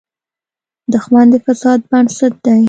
دښمن د فساد بنسټ دی